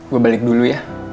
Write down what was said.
gue balik dulu ya